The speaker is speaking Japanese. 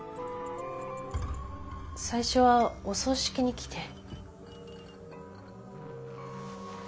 最初はお葬式に来て。